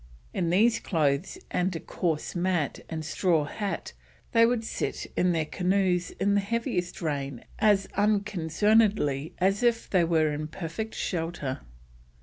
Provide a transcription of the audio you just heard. "In these clothes and a coarse mat and straw hat they would sit in their canoes in the heaviest rain as unconcernedly as if they were in perfect shelter."